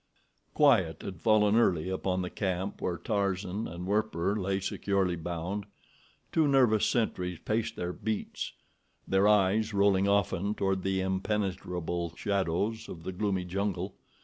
Quiet had fallen early upon the camp where Tarzan and Werper lay securely bound. Two nervous sentries paced their beats, their eyes rolling often toward the impenetrable shadows of the gloomy jungle.